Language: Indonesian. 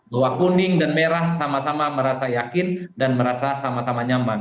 bahwa kuning dan merah sama sama merasa yakin dan merasa sama sama nyaman